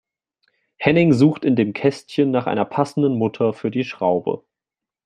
Henning sucht in dem Kästchen nach einer passenden Mutter für die Schraube.